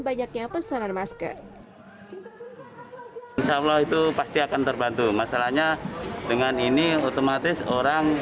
banyaknya pesanan masker insyaallah itu pasti akan terbantu masalahnya dengan ini otomatis orang